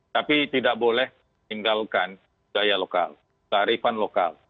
tapi tidak boleh tinggalkan daya lokal tarifan lokal